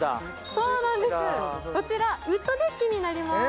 そうなんです、こちらウッドデッキになります。